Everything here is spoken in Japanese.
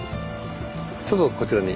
ちょっとこちらに。